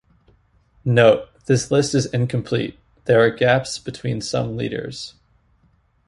Note: This list is incomplete; there are gaps between some leaders.